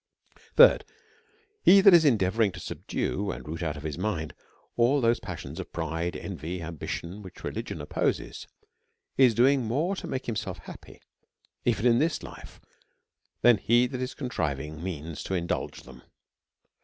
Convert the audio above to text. Thirdh/, He that is endeavouring to subdue and root out of his mind all those passions of pride, envy, and ambition, which religion opposes, is doing more to make himself happy, even in this life, than he that is contriving means to indulge them.